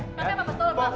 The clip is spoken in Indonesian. tapi apa betul pak